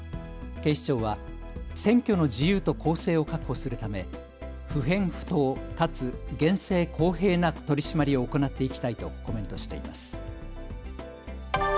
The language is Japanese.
警視庁は選挙の自由と公正を確保するため不偏不党かつ厳正公平な取締りを行っていきたいとコメントしています。